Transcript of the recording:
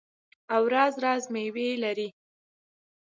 او راز راز میوې لري.